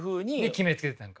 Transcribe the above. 決めつけてたんか。